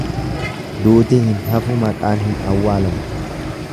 Duuti hin hafu maqaan hin awwaalamu.